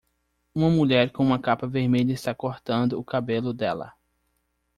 Uma mulher com uma capa vermelha está cortando o cabelo dela.